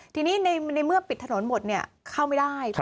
ทีนี้ในเมื่อปิดถนนหมดเข้าไม่ได้